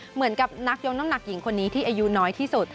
เหมือนกับนักยกน้ำหนักหญิงคนนี้ที่อายุน้อยที่สุด